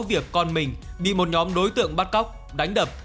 việc con mình bị một nhóm đối tượng bắt cóc đánh đập